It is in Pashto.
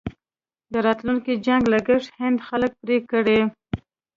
د راتلونکي جنګ لګښت هند خلک پرې کړي.